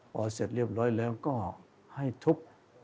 พอเสร็จเรียบร้อยแล้วก็ให้ทุบ